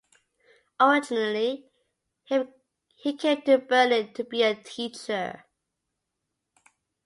Originally, he came to Berlin to be a teacher.